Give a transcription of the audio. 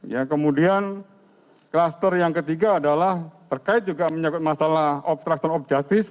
ya kemudian kluster yang ketiga adalah terkait juga menyebut masalah obstruction of justice